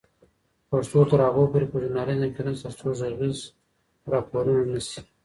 پښتو تر هغو پورې په ژورنالیزم کي نسته تر څو ږغیز راپورونه نه سي